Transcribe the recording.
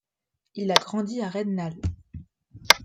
Il a grandi à Rednal.